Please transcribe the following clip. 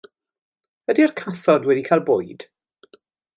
Ydi'r cathod wedi cael bwyd?